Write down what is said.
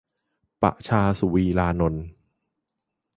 - ประชา สุวีรานนท์